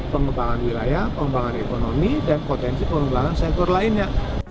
pengembangan wilayah pengembangan ekonomi dan potensi pengembangan sektor lainnya